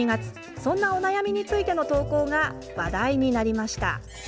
そんなお悩みについての投稿が話題になりました。